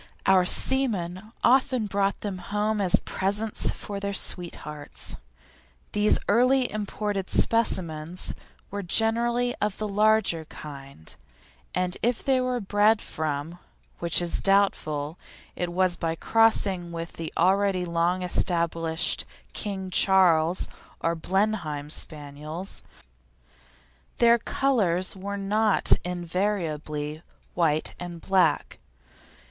Our seamen often brought them home as presents for their sweethearts. These early imported specimens were generally of the larger kind, and if they were bred from which is doubtful it was by crossing with the already long established King Charles or Blenheim Spaniels. Their colours were not invariably white and black.